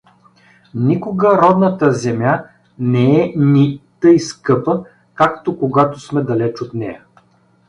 Никога родната земя не е ни тъй скъпа, както когато сме далеч от нея.